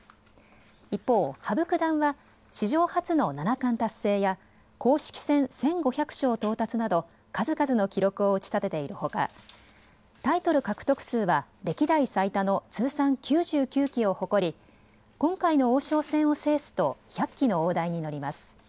一方、羽生九段は史上初の七冠達成や公式戦１５００勝到達など数々の記録を打ち立てているほか、タイトル獲得数は歴代最多の通算９９期を誇り、今回の王将戦を制すと１００期の大台に乗ります。